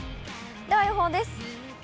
では予報です。